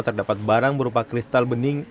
terdapat barang berupa kristal bening